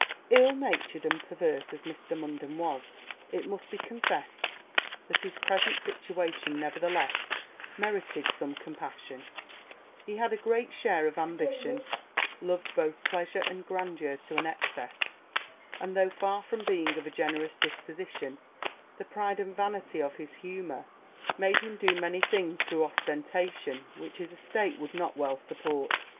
Ill natured and perverse as Mr. Munden was, it must be confessed that his present situation, nevertheless, merited some compassion: he had a great share of ambition loved both pleasure and grandeur to an excess; and, though far from being of a generous disposition, the pride and vanity of his humour made him do many things, through ostentation, which his estate would not well support.